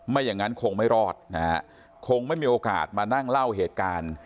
อย่างนั้นคงไม่รอดนะฮะคงไม่มีโอกาสมานั่งเล่าเหตุการณ์